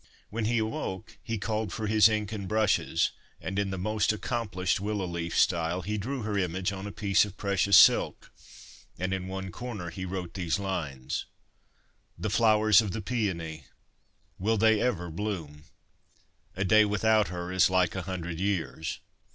When he awoke he called for his ink and brushes, and, in the most accomplished willow leaf style, he drew her image on a piece of precious silk, and in one corner he wrote these lines : The flowers of the paeony Will they ever bloom ? A day without her Is like a hundred years.